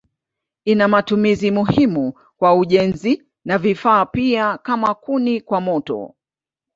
Ina matumizi muhimu kwa ujenzi na vifaa pia kama kuni kwa moto.